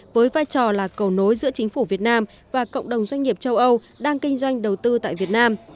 với vai trò là cầu nối giữa chính phủ việt nam và cộng đồng doanh nghiệp châu âu đang kinh doanh đầu tư tại việt nam